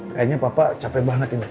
kayaknya papa capek banget ini